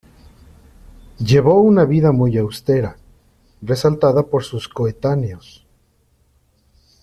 Llevó una vida muy austera, resaltada por sus coetáneos.